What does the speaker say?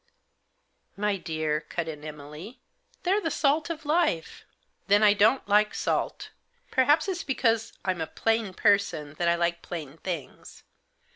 " My dear," cut in Emily, " they're the salt of life !"" Then I don't like salt. Perhaps it's because I'm a plain person that I like plain things.